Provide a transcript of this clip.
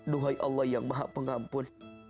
duhai allah yang maha pengampun